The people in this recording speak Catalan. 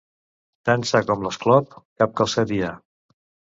Tan sa com l'esclop, cap calçat hi ha.